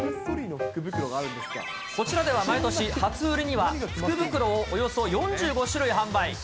こちらでは毎年、初売りには福袋をおよそ４５種類販売。